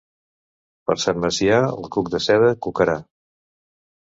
Per Sant Macià el cuc de seda cucarà.